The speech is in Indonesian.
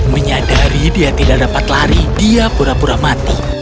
menyadari dia tidak dapat lari dia pura pura mati